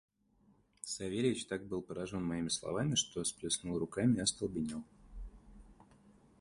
Савельич так был поражен моими словами, что сплеснул руками и остолбенел.